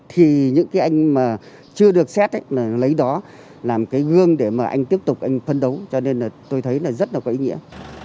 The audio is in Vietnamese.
thì những cái anh mà chưa được xét lấy đó làm cái gương để mà anh tiếp tục anh phấn đấu cho nên là tôi thấy là rất là có ý nghĩa